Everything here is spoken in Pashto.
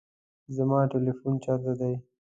زما تلیفون چیرته دی؟